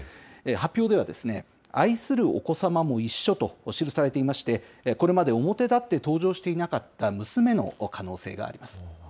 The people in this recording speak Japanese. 発表では、愛するお子様も一緒と記されていまして、これまで表立って登場していなかった娘の可能性があります。